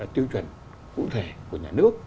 tiêu chuẩn cụ thể của nhà nước